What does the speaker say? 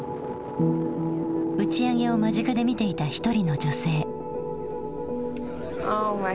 打ち上げを間近で見ていた一人の女性。